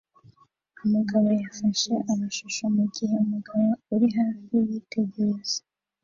Umugabo yafashe amashusho mugihe umugabo uri hafi yitegereza